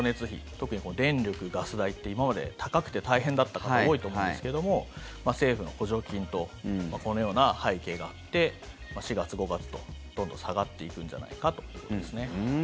特に電力・ガス代って今まで高くて大変だった方多いと思うんですけれども政府の補助金とこのような背景があって４月、５月と、どんどん下がっていくんじゃないかということです。